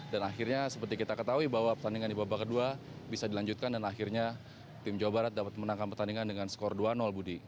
dan akhirnya seperti kita ketahui bahwa pertandingan di babak kedua bisa dilanjutkan dan akhirnya tim jawa barat dapat menangkan pertandingan dengan skor dua budi